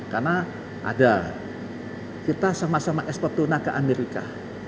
karena ada kita sama sama ekspor tunas ke amerika